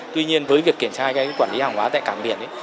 tuy nhiên với việc triển khai đề án quản lý hàng hóa tại cảng biển